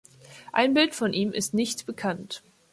Ein Bild von ihm ist nicht bekannt.